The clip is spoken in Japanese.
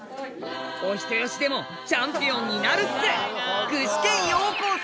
お人好しでもチャンピオンになるっす！